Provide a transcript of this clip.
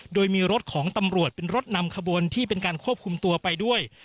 โดยมีรถของตำรวจเป็นรถนำขบวนที่เป็นการควบคุมตัวไปด้วย